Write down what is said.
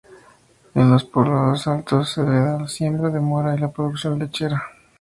En los poblados altos se da la siembra de mora y la producción lechera.